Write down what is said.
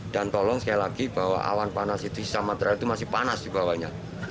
dan tolong sekali lagi bahwa awan panas di samadera itu masih panas dibawanya